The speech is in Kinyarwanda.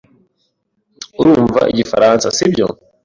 Urumva igifaransa, sibyo?